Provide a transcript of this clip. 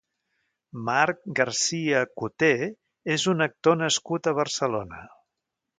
Marc García Coté és un actor nascut a Barcelona.